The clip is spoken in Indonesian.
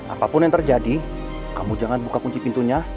apapun yang terjadi kamu jangan buka kunci pintunya